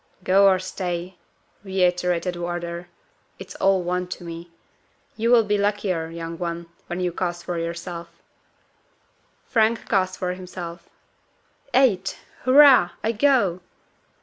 "Go or stay," reiterated Wardour, "it's all one to me. You will be luckier, young one, when you cast for yourself." Frank cast for himself. "Eight. Hurrah! I go!"